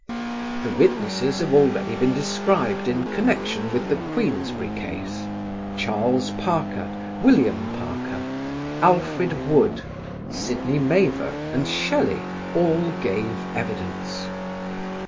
The witnesses have already been described in connection with the Queensberry case. Charles Parker, William Parker, Alfred Wood, Sidney Mavor and Shelley all gave evidence.